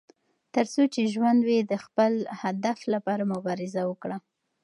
تر څو چې ژوند وي، د خپل هدف لپاره مبارزه وکړه.